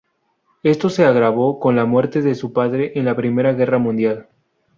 Esto se agravó con la muerte de su padre en la Primera Guerra Mundial.